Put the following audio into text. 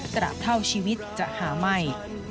แต่อาจเท่าชีวิตจะหาไม่